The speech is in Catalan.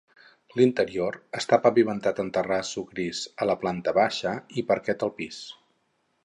L'interior està pavimentat en terratzo gris a la planta baixa i parquet al pis.